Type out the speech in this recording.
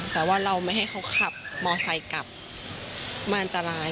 แต่ว่าเราไม่ให้เขาขับมอไซค์กลับมันอันตราย